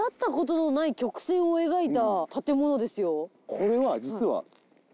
これは実は。